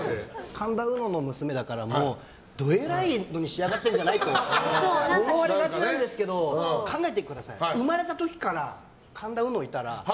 神田うのの娘だからどえらいのに仕上がってるんじゃないかと思われがちなんですけど考えてください。